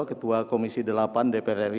ketua komisi delapan dpr ri